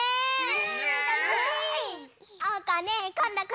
うん！